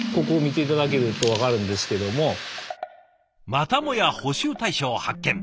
またもや補修対象発見。